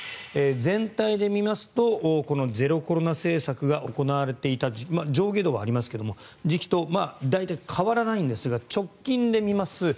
全体で見ますとこのゼロコロナ政策が行われていた上下動はありますがその時期と大体変わらないんですが直近で見ます